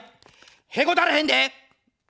へこたれへんで。